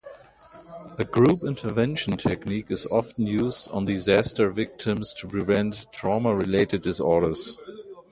A group intervention technique is often used on disaster victims to prevent trauma-related disorders.